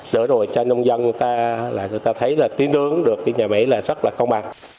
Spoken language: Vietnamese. để rồi cho nông dân người ta là người ta thấy là tiến hướng được cái nhà máy là rất là công bằng